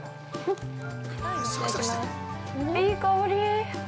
◆いい香り。